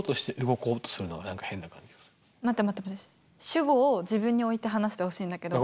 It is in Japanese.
主語を自分に置いて話してほしいんだけど。